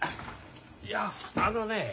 いやあのね。